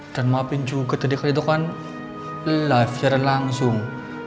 dan maafin juga dari kali itu kan live secara langsung